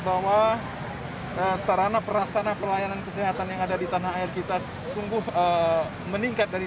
bahwa sarana perasana pelayanan kesehatan yang ada di tanah air kita sungguh meningkat dari